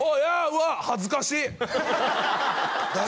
うわっ恥ずかしい誰や？